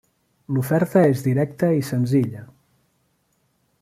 L'oferta és directa i senzilla.